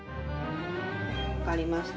分かりました。